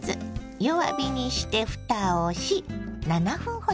弱火にしてふたをし７分ほど焼いてね。